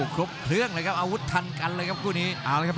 ครบเครื่องเลยครับอาวุธทันกันเลยครับคู่นี้